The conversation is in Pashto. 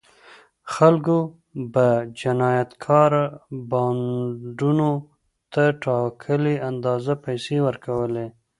خلکو به جنایتکاره بانډونو ته ټاکلې اندازه پیسې ورکولې.